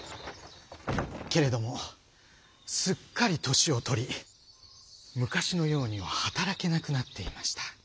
けれどもすっかりとしをとりむかしのようにははたらけなくなっていました。